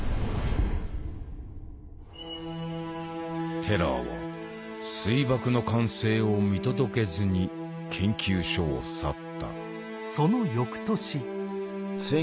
テラーは水爆の完成を見届けずに研究所を去った。